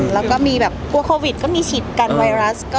แล้วก็มีแบบกลัวโควิดก็มีฉีดกันไวรัส